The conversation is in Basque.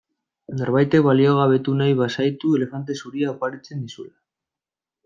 Norbaitek baliogabetu nahi bazaitu elefante zuria oparitzen dizula.